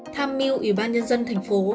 tham mưu ủy ban nhân dân tp hcm